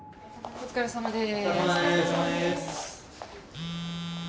お疲れさまです。